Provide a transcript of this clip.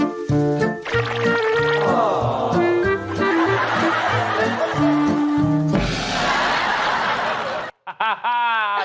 โอ้โห